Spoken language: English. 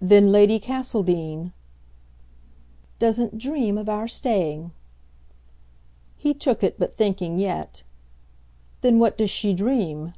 "Then Lady Castledean ?" "Doesn't dream of our staying." He took it, but thinking yet. "Then what does she dream